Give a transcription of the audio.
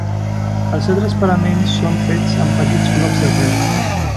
Els altres paraments són fets amb petits blocs de pedra.